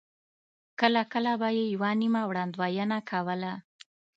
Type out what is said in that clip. کله کله به یې یوه نیمه وړاندوینه کوله.